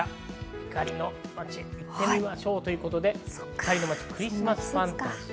光の街、行ってみましょうということで、クリスマスファンタジーです。